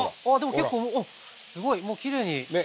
すごいもうきれいに。ね。